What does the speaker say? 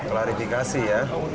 untuk klarifikasi ya